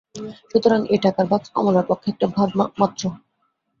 সুতরাং এ টাকার বাক্স কমলার পক্ষে একটা ভারমাত্র।